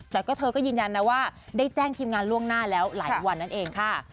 แต่ก็เธอก็ยืนยันนะว่าได้แจ้งทีมงานล่วงหน้าแล้วหลายวันนั่นเองค่ะ